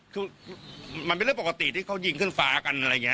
คือมันเป็นเรื่องปกติที่เขายิงขึ้นฟ้ากันอะไรอย่างนี้